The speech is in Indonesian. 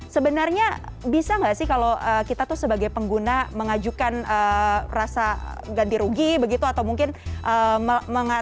sebenarnya bisa nggak sih kalau kita tuh sebagai pengguna mengajukan rasa ganti rugi begitu atau mungkin